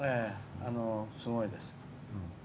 すごいです。